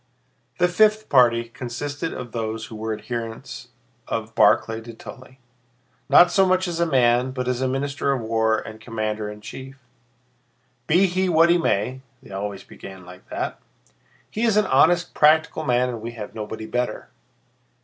The fifth party consisted of those who were adherents of Barclay de Tolly, not so much as a man but as minister of war and commander in chief. "Be he what he may" (they always began like that), "he is an honest, practical man and we have nobody better.